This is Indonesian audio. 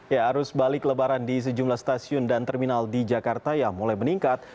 ya arus balik lebaran di sejumlah stasiun dan terminal di jakarta ya mulai meningkat